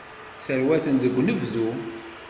Sserwaten deg unebdu.